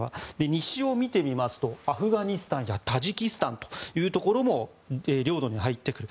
西を見てみますとアフガニスタンやタジキスタンというところも領土に入ってくる。